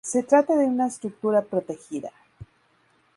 Se trata de una estructura protegida.